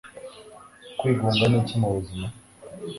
Kwigunga ni iki m'ubuzima?